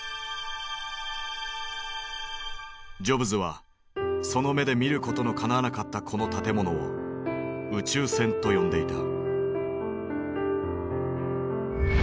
ジョブズはその目で見ることのかなわなかったこの建物を「宇宙船」と呼んでいた。